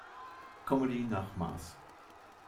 Comedy nach Maß".